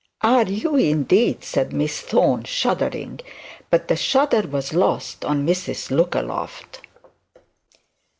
'Are you, indeed?' said Miss Thorne shuddering; but the shudder was not lost on Mrs Lookaloft.